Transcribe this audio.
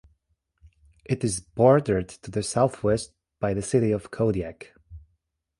It is bordered to the southwest by the city of Kodiak.